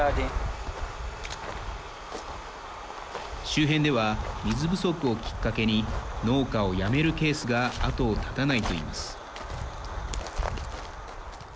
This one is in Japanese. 周辺では水不足をきっかけに農家をやめるケースが後を絶たないといいます。